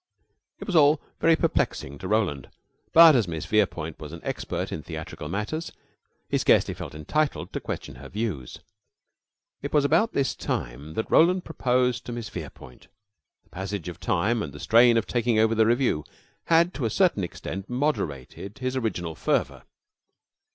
It was all very perplexing to Roland; but as Miss Verepoint was an expert in theatrical matters, he scarcely felt entitled to question her views. It was about this time that Roland proposed to Miss Verepoint. The passage of time and the strain of talking over the revue had to a certain extent moderated his original fervor.